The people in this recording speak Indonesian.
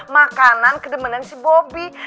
makanan kedemenan si bobby